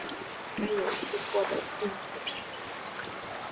该游戏获得负面的评价。